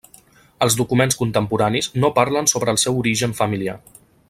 Els documents contemporanis no parlen sobre el seu origen familiar.